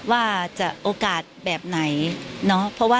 ว่าจะโอกาสแบบไหนเนาะ